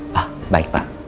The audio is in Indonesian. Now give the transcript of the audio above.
pak baik pak